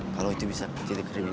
kalau itu bisa jadi kriminal